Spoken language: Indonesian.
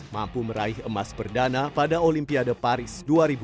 mampu meraih emas perdana pada olimpiade paris dua ribu dua puluh